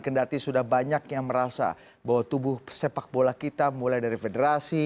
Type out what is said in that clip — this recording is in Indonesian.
kendati sudah banyak yang merasa bahwa tubuh sepak bola kita mulai dari federasi